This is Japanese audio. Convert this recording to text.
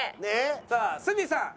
さあ鷲見さん。